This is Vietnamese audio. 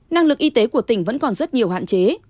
năng lực y tế của tỉnh vẫn còn rất nhiều hạn chế